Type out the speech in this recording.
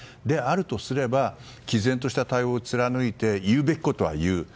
であるとすれば毅然とした対応を貫いて言うべきことは言う。